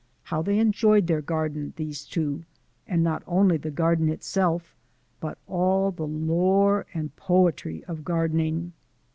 How they enjoyed their garden, those two, and not only the garden itself, but all the lore and poetry of gardening!